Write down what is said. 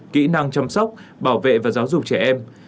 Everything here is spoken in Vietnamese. kỹ năng chăm sóc bảo vệ và giáo dục trẻ em